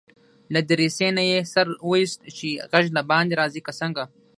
له دريڅې نه يې سر واېست چې غږ له باندي راځي که څنګه.